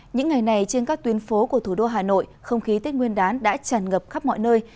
những ngày này trên các tuyến phố của thủ đô hà nội không khí tết nguyên đán đã tràn ngập khắp mọi nơi